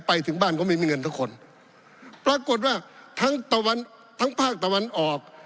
ไปถึงบ้านก็ไม่มีเงินทุกคนปรากฏว่าทั้งตะวันทั้งภาคตะวันออก